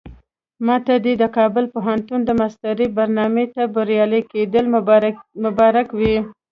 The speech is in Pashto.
ماته دې د کابل پوهنتون د ماسترۍ برنامې ته بریالي کېدل مبارک وي.